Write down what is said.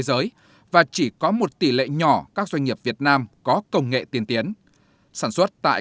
giới và chỉ có một tỷ lệ nhỏ các doanh nghiệp việt nam có công nghệ tiên tiến sản xuất tại